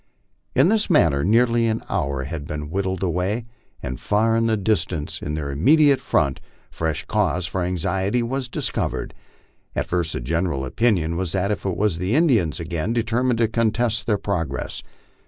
In this manner nearly an hour had been whiled away, when far in the dis tance, in their immediate front, fresh cause for anxiety was discovered. At first the general opinion was that it was the Indians again, determined to contest their progress.